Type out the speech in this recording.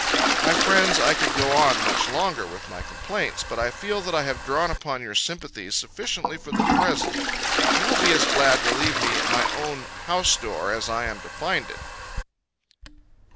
My friends, I could go on much longer with my complaints, but I feel that I have drawn upon your sympathies sufficiently for the present. You will be as glad to leave me at my own house door, as I am to find it.